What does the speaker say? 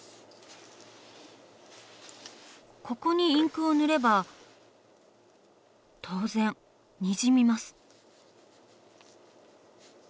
ここにインクを塗れば当然にじみます。